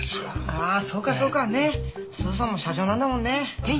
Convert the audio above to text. ああそうかそうかねっスーさんも社長なんだもんね。